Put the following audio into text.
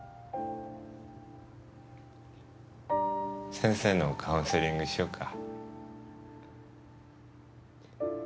先生のカウンセリングしようか？